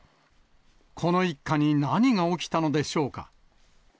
この一家に何が起きたのでしょうか。